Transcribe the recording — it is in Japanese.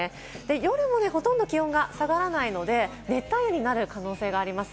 夜もほとんど気温が下がらないので、熱帯夜になる可能性があります。